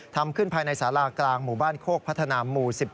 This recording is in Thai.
ทำขึ้นภายในสารากลางหมู่บ้านโคกพัฒนาหมู่๑๑